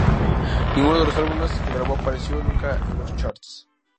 Ninguno de los álbumes que grabó apareció nunca en los charts.